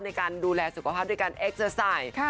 ในการดูแลสุขภาพด้วยการเอ็กเจอร์ใส่